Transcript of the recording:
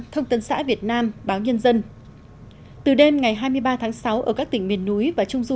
thông tân xã việt nam báo nhân dân từ đêm ngày hai mươi ba tháng sáu ở các tỉnh miền núi và trung du